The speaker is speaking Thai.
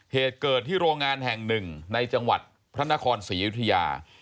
เหตุเกิดที่โรงงานแห่งหนึ่งในจังหวัดพระนครศรีอยุธยา